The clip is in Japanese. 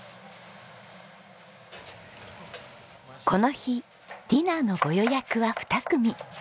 この日ディナーのご予約は２組。